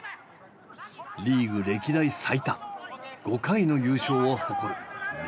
リーグ歴代最多５回の優勝を誇る名門チームだ。